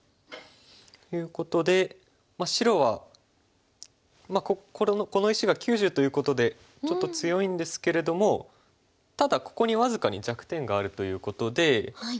いうことで白はこの石が９０ということでちょっと強いんですけれどもただここに僅かに弱点があるということで。